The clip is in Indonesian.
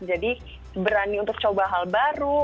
jadi berani untuk coba hal baru